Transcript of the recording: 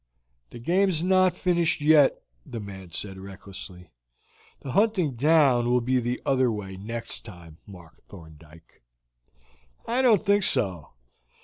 "The game is not finished yet," the man said recklessly. "The hunting down will be the other way next time, Mark Thorndyke." "I don't think so.